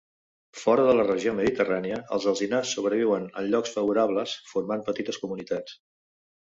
Fora de la regió mediterrània els alzinars sobreviuen en llocs favorables, formant petites comunitats.